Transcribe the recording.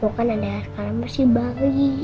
gue kan ada skara masih bayi